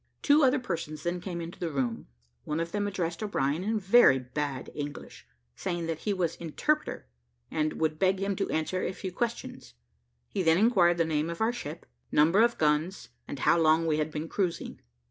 Two other persons then came into the room: one of them addressed O'Brien in very bad English, saying that he was interpreter, and would beg him to answer a few questions. He then inquired the name of our ship, number of guns, and how long we had been cruising.